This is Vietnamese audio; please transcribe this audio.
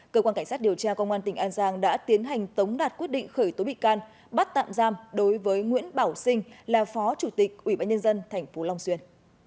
cơ quan cảnh sát điều tra công an tp an giang đã tiến hành tống đạt quyết định khởi tố bị can bắt tạm giam đối với nguyễn bảo sinh là phó chủ tịch ubnd tp long xuyên